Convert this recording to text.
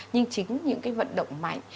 nhưng chính những cái vận động mạnh